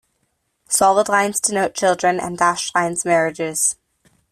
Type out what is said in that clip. Solid lines denote children and dashed lines marriages.